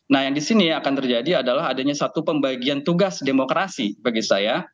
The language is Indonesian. nah yang di sini yang akan terjadi adalah adanya satu pembagian tugas demokrasi bagi saya